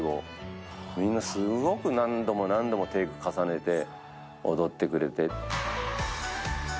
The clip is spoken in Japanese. みんなすごく何度も何度もテイク重ねて踊ってくれて。